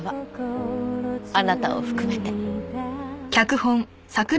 あなたを含めて。